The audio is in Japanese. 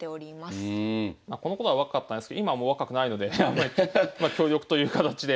このころは若かったんですけど今もう若くないので協力という形で。